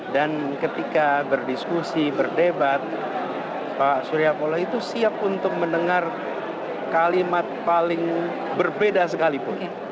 dan ketika berdiskusi berdebat pak surya paloh itu siap untuk mendengar kalimat paling berbeda sekalipun